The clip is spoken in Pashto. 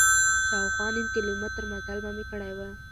شاوخوا نیم کیلومتر مزل به مې کړی و.